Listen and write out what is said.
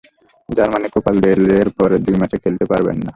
যার মানে Copa del রের পরের দুই ম্যাচে খেলতে পারবেন না।